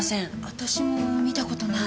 私も見た事ない。